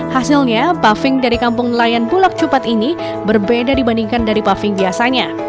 hasilnya paving dari kampung nelayan bulak cupat ini berbeda dibandingkan dari paving biasanya